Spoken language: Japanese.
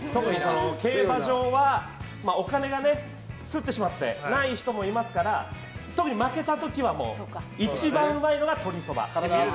競馬場は、お金がすってしまってない人もいますから特に負けた時はもう、一番うまいのがとりそば。